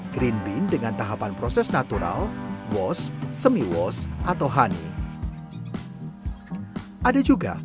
green bin dengan tahapan proses natural was semiwose atau honey ada juga